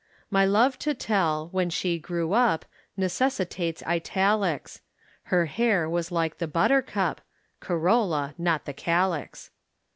My love to tell, when she grew up, Necessitates italics. Her hair was like the buttercup (Corolla not the calyx).